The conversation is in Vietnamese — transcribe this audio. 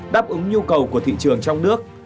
đáp ứng nhu cầu của thị trường trong nước